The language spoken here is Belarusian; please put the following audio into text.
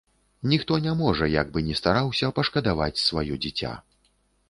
Ніхто не можа, як бы ні стараўся, пашкадаваць сваё дзіця.